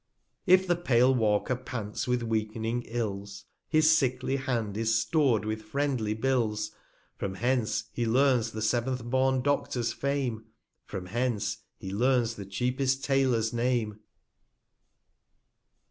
'If the pale Walker pants with weakening Ills, His sickly Hand is stor'd with friendly Bills : From hence, he learns the seventh born Dolor's Fame, 4*9 From hence, he learns the cheapest Tailor's Name.